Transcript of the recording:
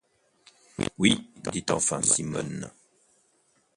Oui, dit enfin Simonne.